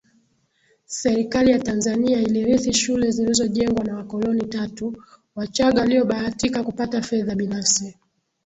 Serikali ya Tanzania ilirithi shule zilizojengwa na wakoloni tatu Wachagga waliobahatika kupata fedha binafsi